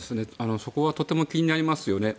そこはとても気になりますね。